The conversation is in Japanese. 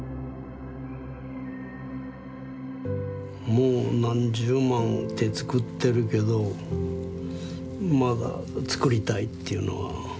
もう何十万って作ってるけどまだ作りたいっていうのは。